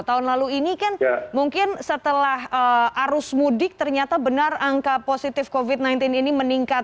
tahun lalu ini kan mungkin setelah arus mudik ternyata benar angka positif covid sembilan belas ini meningkat